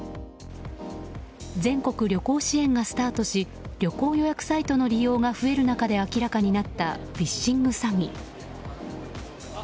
全国旅行支援がスタートし旅行予約サイトの利用が増える中で明らかになったフィッシング詐欺。